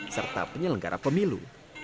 serta penyelenggara pemilu